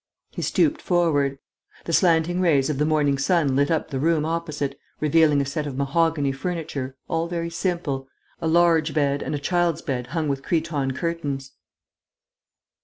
He stooped forward. The slanting rays of the morning sun lit up the room opposite, revealing a set of mahogany furniture, all very simple, a large bed and a child's bed hung with cretonne curtains.